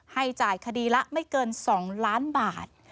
ให้จ่ายคดีละไม่เกิน๒ล้านบาท